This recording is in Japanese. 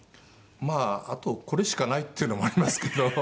まああとこれしかないっていうのもありますけど。